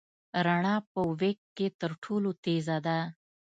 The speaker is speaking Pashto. رڼا په وېګ کي تر ټولو تېزه ده.